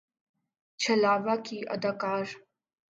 چھلاوہ کی اداکار